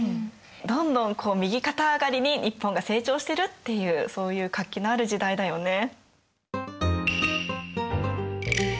どんどんこう右肩上がりに日本が成長してるっていうそういう活気のある時代だよね。